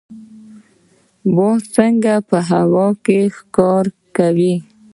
باز څنګه په هوا کې ښکار کوي؟